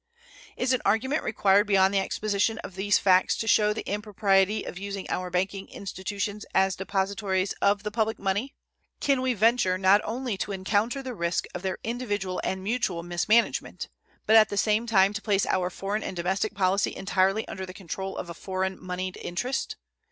Is an argument required beyond the exposition of these facts to show the impropriety of using our banking institutions as depositories of the public money? Can we venture not only to encounter the risk of their individual and mutual mismanagement, but at the same time to place our foreign and domestic policy entirely under the control of a foreign moneyed interest?